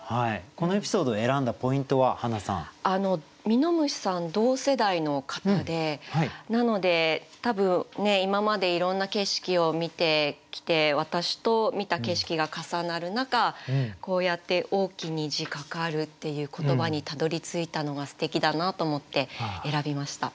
みのむしさん同世代の方でなので多分今までいろんな景色を見てきて私と見た景色が重なる中こうやって「大き虹かかる」っていう言葉にたどりついたのがすてきだなと思って選びました。